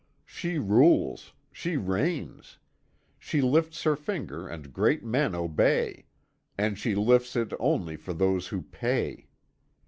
She rules, she reigns. She lifts her finger and great men obey, and she lifts it only for those who pay.